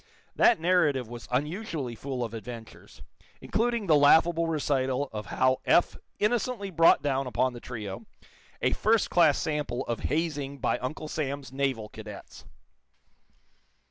That narrative was unusually full of adventures, including the laughable recital of how Eph innocently brought down upon the trio a first class sample of hazing by Uncle Sam's naval cadets.